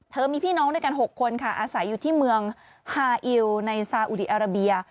มีพี่น้องด้วยกัน๖คนค่ะอาศัยอยู่ที่เมืองฮาอิลในซาอุดีอาราเบีย